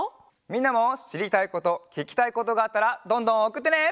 みんなもしりたいことききたいことがあったらどんどんおくってね！